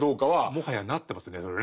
もはやなってますねそれ。